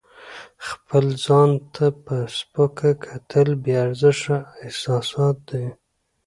خپل ځان ته په سپکه کتل بې ارزښته احساسات دي.